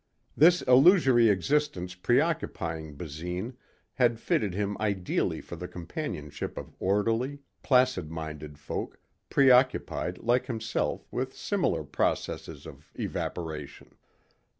This illusory existence preoccupying Basine had fitted him ideally for the companionship of orderly, placid minded folk preoccupied like himself with similar processes of evaporation.